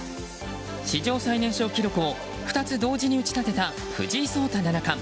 史上最年少記録を２つ同時に打ち立てた藤井聡太七冠。